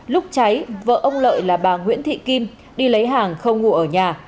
lúc cháy vợ ông lợi là bà nguyễn thị kim đi lấy hàng không ngủ ở nhà